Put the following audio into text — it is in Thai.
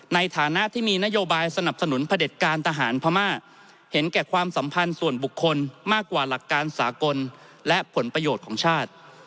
ในฐานะที่มีนโยบายสนับสนุนพระเด็จการทหารพม่าเห็นแก่ความสัมพันธ์ส่วนบุคคลมากกว่าหลักการสากลและผลประโยชน์ของชาติ